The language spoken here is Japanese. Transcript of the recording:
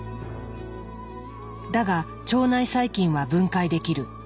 だが腸内細菌は分解できる。